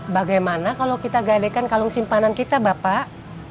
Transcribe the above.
bagaimana kalau kita gadekan kalung simpanan kita bapak